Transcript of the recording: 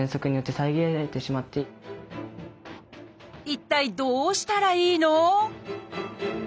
一体どうしたらいいの？